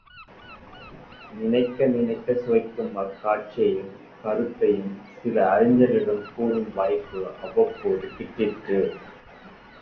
நினைக்க நினைக்கச் சுவைக்கும் அக்காட்சியையும் கருத்தையும் சில அறிஞர்களிடம் கூறும் வாய்ப்பு அவ்வப்போது கிட்டிற்று.